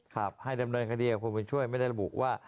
ครับให้ดำเนินคดีกับคุณบุญช่วยไม่ได้ระบุว่า